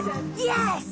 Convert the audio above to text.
よし！